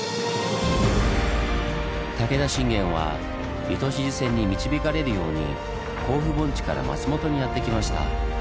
武田信玄は糸静線に導かれるように甲府盆地から松本にやって来ました。